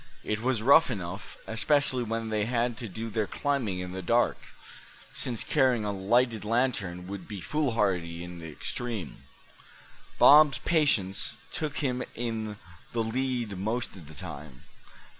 It was rough enough, especially when they had to do their climbing in the dark; since carrying a lighted lantern would be foolhardy in the extreme. Bob's impatience took him in the lead most of the time.